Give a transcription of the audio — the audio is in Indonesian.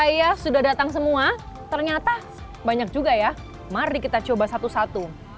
saya sudah datang semua ternyata banyak juga ya mari kita coba satu satu